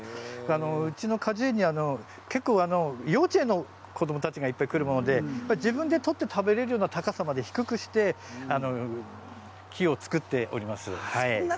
うちの果樹園には結構、幼稚園の子どもたちがいっぱい来るもので自分で取って食べられるような高さにまで低くして木を作っております。